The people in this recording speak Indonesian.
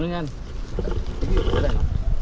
ini udah keren